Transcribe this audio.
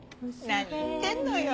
何言ってんのよ！